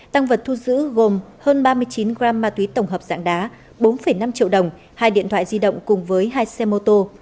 tăng vật thu giữ gồm hơn ba mươi chín gram ma túy tổng hợp dạng đá bốn năm triệu đồng hai điện thoại di động cùng với hai xe mô tô